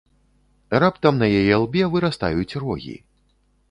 Раптам на яе лбе вырастаюць рогі.